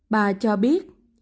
bà cho biết